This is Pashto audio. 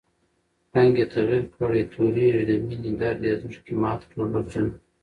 رنګ ئې تغير کړی تورېږي، دمېنی درد ئې دزړګي مات کړل برجونه